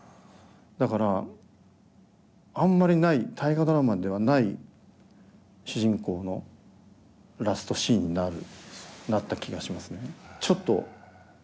だからあんまりない「大河ドラマ」ではない主人公のラストシーンになるなった気がしますね。